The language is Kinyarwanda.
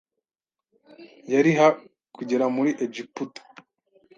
yari ha kugera muri Egiputa